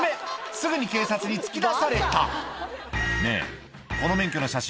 すぐに警察に突き出された「ねぇこの免許の写真